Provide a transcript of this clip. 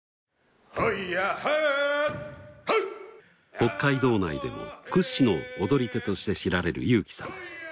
北海道内でも屈指の踊り手として知られる裕樹さん。